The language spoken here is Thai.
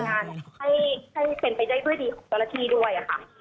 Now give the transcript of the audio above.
ให้เป็นไปได้ด้วยดีของเจ้าหน้าที่ด้วยค่ะ